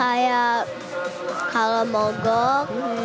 kayak kalau mogok